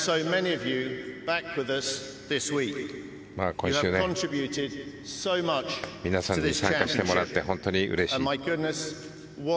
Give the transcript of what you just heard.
今週皆さんに参加してもらって本当にうれしい。